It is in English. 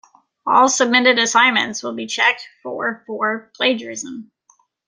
All submitted assignments will be checked for for plagiarism.